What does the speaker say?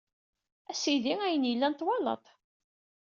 A Sidi, ayen yellan twalaḍ-t.